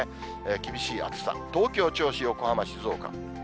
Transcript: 厳しい暑さ、東京、銚子、横浜、静岡。